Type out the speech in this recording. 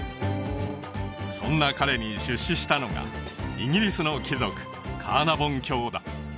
そんな彼に出資したのがイギリスの貴族カーナボン卿だ